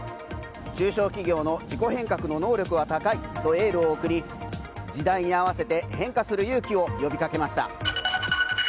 中小企業の自己変革の能力は高いとエールを送り時代に合わせて変化する勇気を呼びかけました。